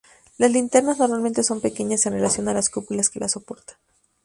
Las linternas normalmente son pequeñas en relación a las cúpulas que las soportan.